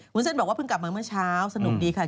เส้นบอกว่าเพิ่งกลับมาเมื่อเช้าสนุกดีค่ะ